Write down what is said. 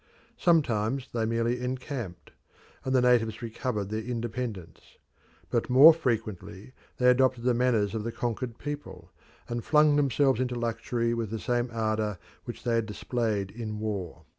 Sometimes they merely encamped, and the natives recovered their independence. But more frequently they adopted the manners of the conquered people, and flung themselves into luxury with the same ardour which they had displayed in war.